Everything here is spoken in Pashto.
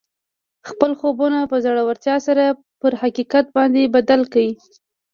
خپل خوبونه په زړورتیا سره پر حقیقت باندې بدل کړئ